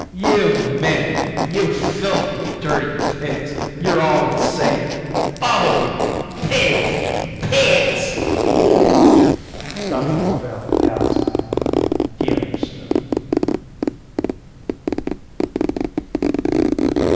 "You men! You filthy, dirty pigs! You're all the same, all of you. Pigs! Pigs!" Dr Macphail gasped. He understood.